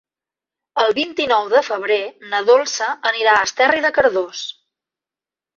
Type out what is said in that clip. El vint-i-nou de febrer na Dolça anirà a Esterri de Cardós.